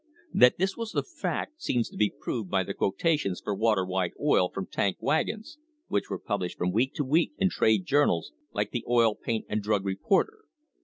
That this was the fact seems to be proved by the quotations for water white oil from tank wagons, which were published from week to week in trade journals like the Oil, Paint and Drug Reporter.